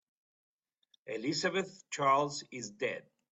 Elizabeth Charles is dead.